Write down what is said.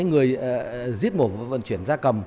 giết mổ và vận chuyển da cầm